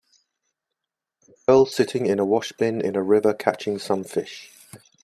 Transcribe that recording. A girl sitting in a wash bin in a river catching some fish.